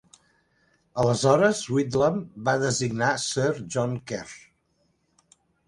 Aleshores Whitlam va designar Sir John Kerr.